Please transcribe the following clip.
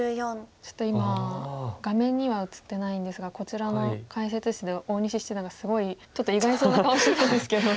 ちょっと今画面には映ってないんですがこちらの解説室で大西七段がすごいちょっと意外そうな顔してたんですけど。